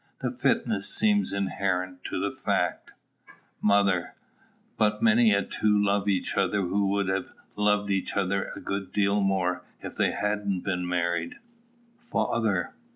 The fitness, seems inherent to the fact. Mother. But many a two love each other who would have loved each other a good deal more if they hadn't been married. _Father.